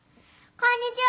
こんにちは。